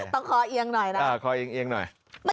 ต้องขอเอียงหน่อยนะเออขอเอียงเอียงหน่อย